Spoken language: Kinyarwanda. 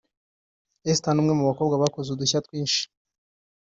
Esther ni umwe mu bakobwa bakoze udushya twinshi